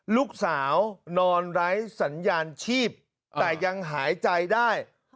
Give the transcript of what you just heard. ลูกสาวนอนไร้สัญญาณชีพแต่ยังหายใจได้